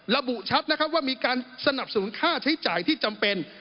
ระบุชัดนะครับว่ามีการสนับสนุนค่าใช้จ่ายที่จำเป็น